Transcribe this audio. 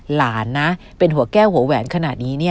หลานนะเป็นหัวแก้วหัวแหวนขนาดนี้เนี่ย